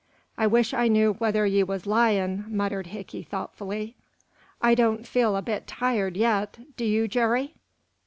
"I wish I knew whether ye was lyin'," muttered Hickey, thoughtfully. "I don't feel a bit tired, yet. Do you, Jerry?"